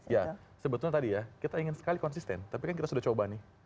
ya sebetulnya tadi ya kita ingin sekali konsisten tapi kan kita sudah coba nih